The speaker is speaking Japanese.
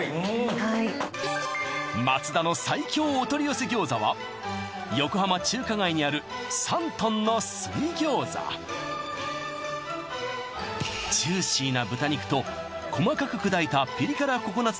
はい松田の最強お取り寄せ餃子は横浜中華街にあるジューシーな豚肉と細かく砕いたピリ辛ココナッツ